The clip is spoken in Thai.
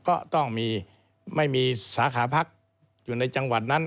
ก็ต้องมีไม่มีสาขาพักอยู่ในจังหวัดนั้น